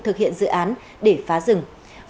thực hiện dự án để phá rừng